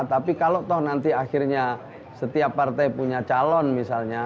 tapi kalau nanti setiap partai punya calon misalnya